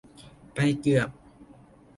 ไปเกือบ